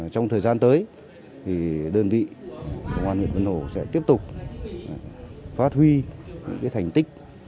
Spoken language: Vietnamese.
trong thời gian tới đơn vị công an huyện vân hồ sẽ tiếp tục phát huy những thành tích